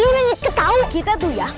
dia nyeket tau kita tuh ya